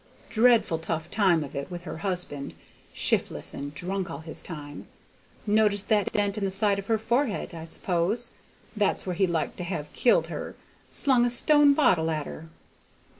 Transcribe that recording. Dreadful tough time of it with her husband, shif'less and drunk all his time. Noticed that dent in the side of her forehead, I s'pose? That's where he liked to have killed her; slung a stone bottle at her."